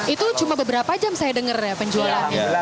itu cuma beberapa jam saya dengar ya penjualannya